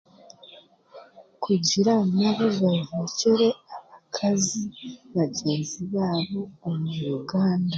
Kugira nabo babarekyere abakazi bagyenzi baabo omu Uganda